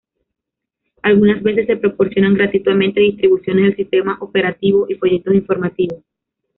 Algunas veces, se proporcionan gratuitamente distribuciones del sistema operativo y folletos informativos.